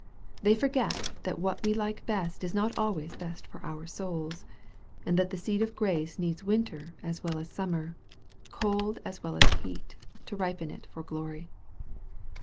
They forget that what we like best is not always best for our souls, and that the seed of grace needs winter as well as summer, cold as well as heat, to ripen it for glory.